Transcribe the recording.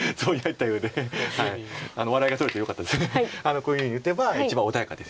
こういうふうに打てば一番穏やかですよね。